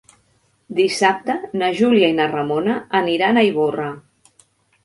Dissabte na Júlia i na Ramona aniran a Ivorra.